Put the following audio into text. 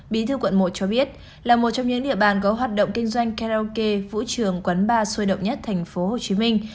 bí thư quận một cho biết là một trong những địa bàn có hoạt động kinh doanh karaoke vũ trường quán ba sôi động nhất thành phố hồ chí minh